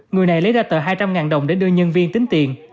người này lấy ra tờ hai trăm linh đồng để đưa nhân viên tính tiền